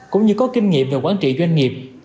cũng như có kinh nghiệm về quản trị doanh nghiệp